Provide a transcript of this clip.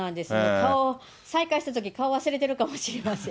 顔、再会したとき、顔忘れてるかもしれません。